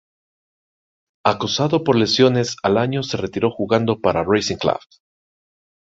Acosado por lesiones, al año se retiró jugando para Racing Club.